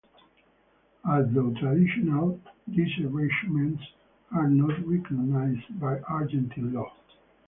Although traditional, these arrangements are not recognized by Argentine law.